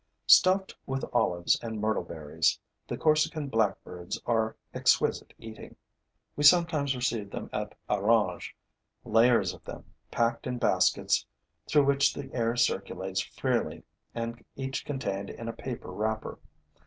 Stuffed with olives and myrtle berries, the Corsican blackbirds are exquisite eating. We sometimes receive them at Orange, layers of them, packed in baskets through which the air circulates freely and each contained in a paper wrapper.